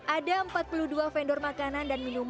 ada empat puluh dua vendor makanan dan minuman yang bisa dihubungi